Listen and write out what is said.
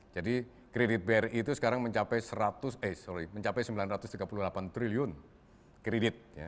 jadi kredit bri itu sekarang mencapai rp sembilan ratus tiga puluh delapan triliun kredit